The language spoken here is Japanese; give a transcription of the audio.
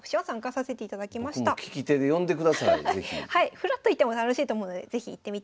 ふらっと行っても楽しいと思うので是非行ってみてください。